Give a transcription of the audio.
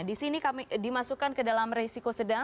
di sini kami dimasukkan ke dalam resiko sedang